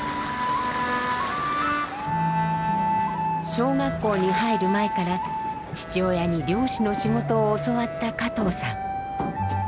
小学校に入る前から父親に漁師の仕事を教わった加藤さん。